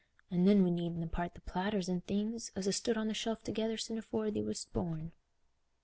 An' then we needna part the platters an' things, as ha' stood on the shelf together sin' afore thee wast born."